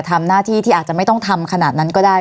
ทำหน้าที่ที่อาจจะไม่ต้องทำขนาดนั้นก็ได้